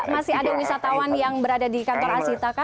masih ada wisatawan yang berada di kantor asitaka